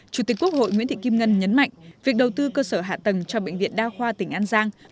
chủ tịch quốc hội nguyễn thị kim ngân nhấn mạnh việc đầu tư cơ sở hạ tầng cho bệnh viện đa khoa tỉnh an giang